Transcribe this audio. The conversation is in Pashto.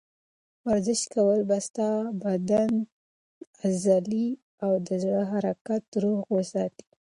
ورزش کول به ستا د بدن عضلې او د زړه حرکت روغ وساتي.